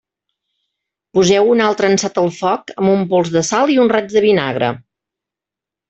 Poseu un altre ansat al foc, amb un pols de sal i un raig de vinagre.